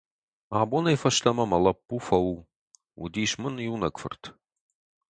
Абонӕй фӕстӕмӕ мӕ лӕппу фӕу; уыдис мын иунӕг фырт.